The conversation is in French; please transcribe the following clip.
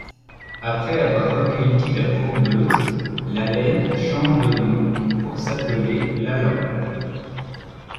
Après avoir recueilli la Bourbeuse l'Allaine change de nom pour s'appeler l'Allan.